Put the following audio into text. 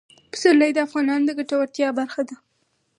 پسرلی د افغانانو د ګټورتیا برخه ده.